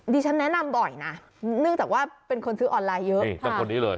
ดีฉันแนะนำบ่อยนะเนื่องจากว่าเป็นคนซื้อออนไลน์เยอะ